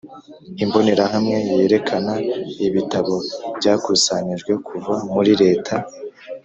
Imbonerahamwe yerekana ibitabo byakusanijwe kuva muri leta